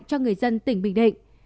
cho người dân tỉnh bình định